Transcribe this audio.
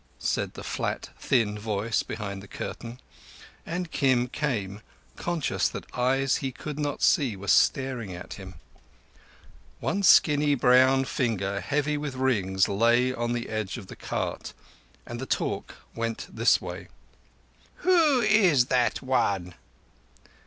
said the flat thin voice behind the curtain; and Kim came, conscious that eyes he could not see were staring at him. One skinny brown finger heavy with rings lay on the edge of the cart, and the talk went this way: "Who is that one?"